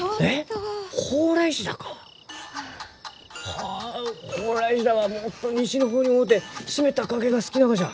はあホウライシダはもっと西の方に多うて湿った崖が好きながじゃ！